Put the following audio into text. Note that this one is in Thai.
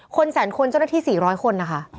คนแสนคนเจ้าหน้าที่๔ร้อยคนนะคะ